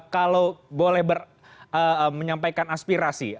kalau boleh menyampaikan aspirasi